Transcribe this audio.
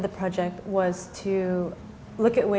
memperbaiki juri indonesia